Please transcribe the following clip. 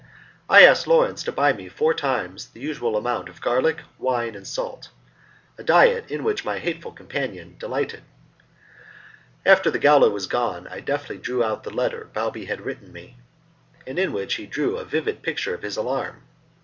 I asked Lawrence to buy me four times the usual amount of garlic, wine, and salt a diet in which my hateful companion delighted. After the gaoler was gone I deftly drew out the letter Balbi had written me, and in which he drew a vivid picture of his alarm.